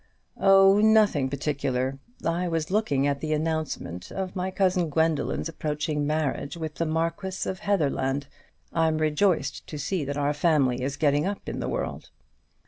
"Oh, nothing particular; I was looking at the announcement of my cousin Gwendoline's approaching marriage with the Marquis of Heatherland. I'm rejoiced to see that our family is getting up in the world."